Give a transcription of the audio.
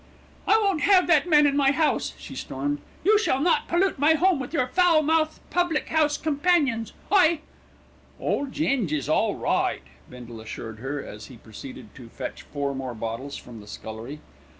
"I won't have that man in my house," she stormed. "You shall not pollute my home with your foul mouthed, public house companions. I " "Ole Ging is all right," Bindle assured her, as he proceeded to fetch four more bottles from the scullery.